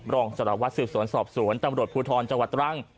รองสารวัตรสืบสวนสอบสวนตำรวจภูทรจังหวัดตรัง